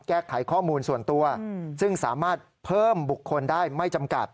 แก้ไขข้อมูลส่วนตัวซึ่งสามารถเพิ่มบุคคลได้ไม่จำกัด